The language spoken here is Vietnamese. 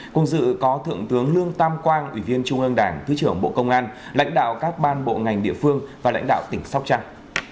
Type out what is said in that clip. cùng dự có thượng tướng lương tam quang ủy viên trung ương đảng thứ trưởng bộ công an lãnh đạo các ban bộ ngành địa phương và lãnh đạo tỉnh sóc trăng